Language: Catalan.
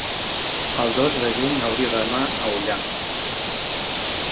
el dos de juny hauria d'anar a Ullà.